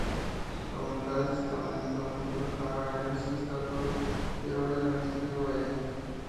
La "Voluntad y Testamento de 'Abdu'l-Bahá" es el estatuto del orden administrativo bahaí.